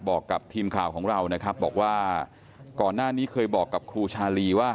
บอกกับทีมข่าวของเรานะครับบอกว่าก่อนหน้านี้เคยบอกกับครูชาลีว่า